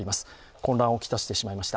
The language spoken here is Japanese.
混乱を来してしまいました。